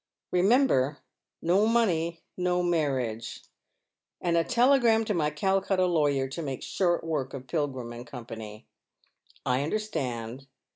"Remember, no money.no marriage. And a telegi am to my Calcutta lawyer to make short work of Pilgrim and Company." " I understand.